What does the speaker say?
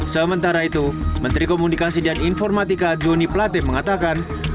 sementara itu menteri komunikasi dan informatika joni platem mengatakan